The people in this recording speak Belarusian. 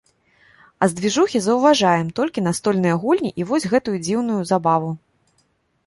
А з дзвіжухі заўважаем, толькі настольныя гульні і вось гэтую дзіўную забаву.